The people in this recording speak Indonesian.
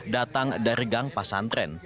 datang dari gang pasantren